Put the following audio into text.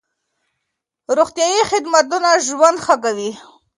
روغتيايي خدمتونه ژوند ښه کوي.